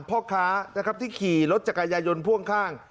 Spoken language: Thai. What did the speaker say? พ่อค้าที่ขี่รถจักรยายยนต์พ่วงข้าง